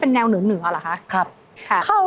พี่แม็กซ์นี่ผู้ชาย